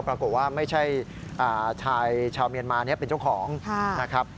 ปรากฏว่าไม่ใช่ชายชาวเมียนมาเป็นเจ้าของนะครับ